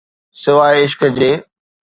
سواءِ عشق جي.